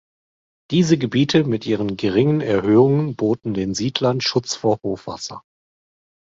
Diese Gebiete mit ihren geringen Erhöhungen boten den Siedlern Schutz vor Hochwasser.